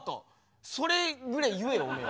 それぐらい言えよおめえ。